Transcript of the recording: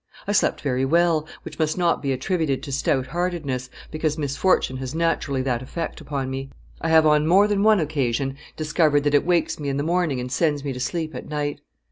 I slept very well, which must not be attributed to stout heartedness, because misfortune has naturally that effect upon me. I have on more than one occasion discovered that it wakes me in the morning and sends me to sleep at night.